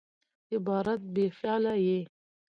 عبارت بې فعله يي.